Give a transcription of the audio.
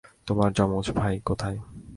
তোমার জমজ ভাই কোথায়?